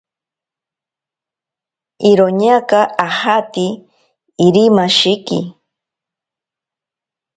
Iroñaka ajate Irimashiki.